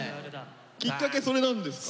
きっかけそれなんですか？